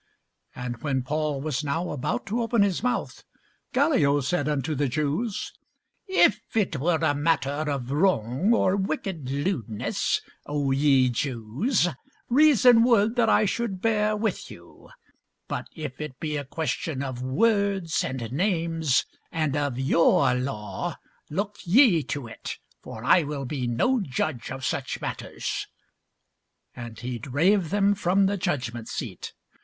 And when Paul was now about to open his mouth, Gallio said unto the Jews, If it were a matter of wrong or wicked lewdness, O ye Jews, reason would that I should bear with you: but if it be a question of words and names, and of your law, look ye to it; for I will be no judge of such matters. And he drave them from the judgment seat.